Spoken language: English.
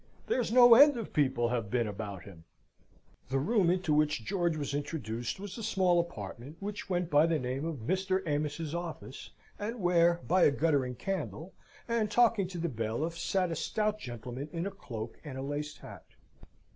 There's no end of people have been about him. The room into which George was introduced was a small apartment which went by the name of Mr. Amos's office, and where, by a guttering candle, and talking to the bailiff, sat a stout gentleman in a cloak and a laced hat.